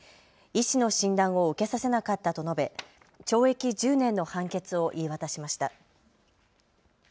医師の診断を受けさせなかったと述べ懲役１０年の判決を言い渡しました。